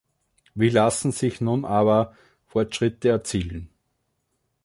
Wie lassen sich nun aber Fortschritte erzielen?